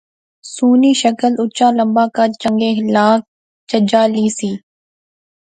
سوہنی شکل، اُچا لمبا قد، چنگے اخلاق، چجا لی سی